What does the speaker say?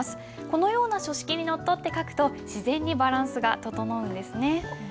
このような書式にのっとって書くと自然にバランスが整うんですね。